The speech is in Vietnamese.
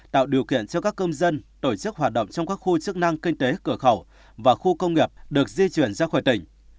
tạo điều kiện cho các công dân tổ chức hoạt động trong các khu chức năng kinh tế cửa khẩu và khu công nghiệp được di chuyển ra khỏi tỉnh